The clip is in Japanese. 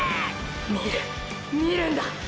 見る見るんだ！